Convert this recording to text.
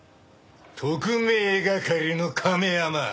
特命係の亀山。